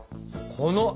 この。